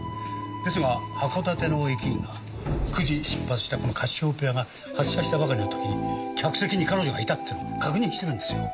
ですが函館の駅員が９時に出発したこのカシオペアが発車したばかりの時客席に彼女がいたっていうのを確認してるんですよ。